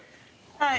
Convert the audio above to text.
はい。